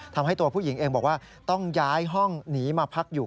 ทำให้ตัวผู้หญิงเองบอกว่าต้องย้ายห้องหนีมาพักอยู่